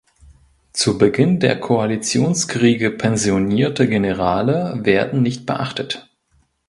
Zu Beginn der Koalitionskriege pensionierte Generale werden nicht beachtet.